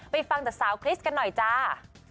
ไปฟังสาวคริสกันหน่อยจ้า